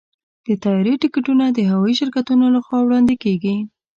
د طیارې ټکټونه د هوايي شرکتونو لخوا وړاندې کېږي.